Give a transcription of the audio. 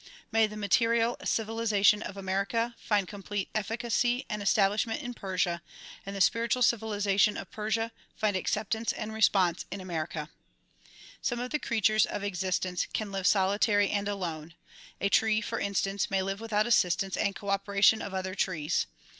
]\Iay the material civilization of America find complete efficacy and establishment in Persia, and the spiritual civilization of Persia find acceptance and response in America. Some of the creatures of existence can live solitary and alone. A tree for instance ma}' live without assistance and cooperation of other trees.